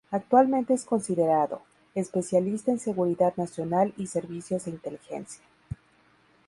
Actualmente es considerado, Especialista en Seguridad Nacional y Servicios de Inteligencia.